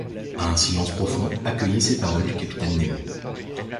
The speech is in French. Un silence profond accueillit ces paroles du capitaine Nemo.